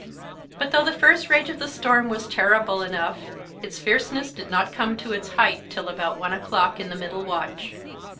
But though the first rage of the storm was terrible enough, its fierceness did not come to its height till about one o'clock in the middle watch.